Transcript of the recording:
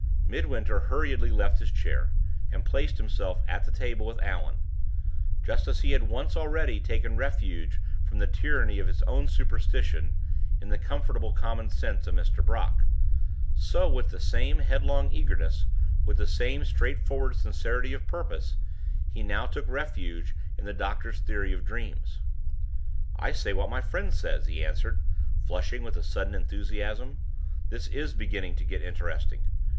Midwinter hurriedly left his chair, and placed himself at the table with Allan. Just as he had once already taken refuge from the tyranny of his own superstition in the comfortable common sense of Mr. Brock, so, with the same headlong eagerness, with the same straightforward sincerity of purpose, he now took refuge in the doctor's theory of dreams. "I say what my friend says," he answered, flushing with a sudden enthusiasm; "this is beginning to get interesting.